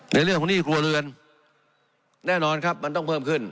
ในเรื่องของหนี้ครัวเรือนแน่นอนครับมันต้องเพิ่มขึ้น